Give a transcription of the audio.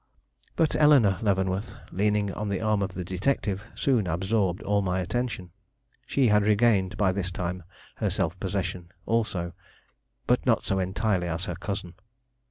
But Eleanore Leavenworth, leaning on the arm of the detective, soon absorbed all my attention. She had regained by this time her self possession, also, but not so entirely as her cousin.